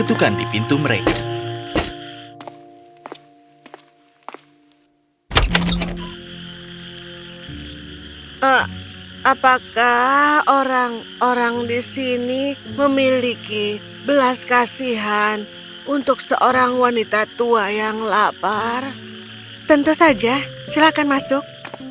untuk seorang wanita tua yang lapar tentu saja silakan masuk